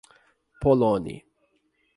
Poloni